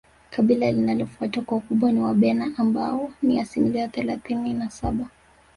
Kabila linalofuata kwa ukubwa ni Wabena ambao ni asilimia thelathini na saba